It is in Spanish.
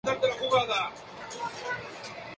Descendiente de David, recibió el título de príncipe.